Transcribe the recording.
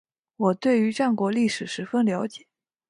我对于战国历史十分了解